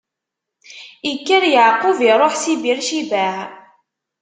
Ikker Yeɛqub iṛuḥ si Bir Cibaɛ.